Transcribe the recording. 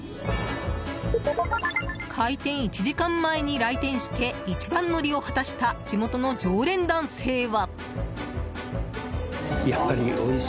開店１時間前に来店して一番乗りを果たした地元の常連男性は。